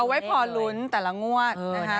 ไว้พอลุ้นแต่ละงวดนะคะ